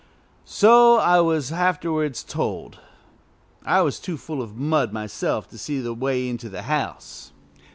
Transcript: So I was afterwards told. I was too full of mud myself to see the way into the house.